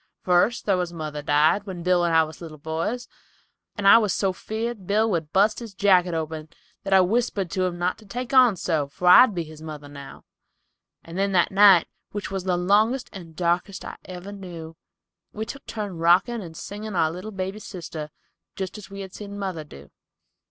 First, thar was mother died, when Bill and I was little boys; I remember how we cried when we stood by her grave, and I was so feared Bill would bust his jacket open that I whispered to him not to take on so, for I'd be his mother now. And then that night, which was the longest and darkest I ever knew, we took turn rocking and singing to our little baby sister, just as we had seen mother do."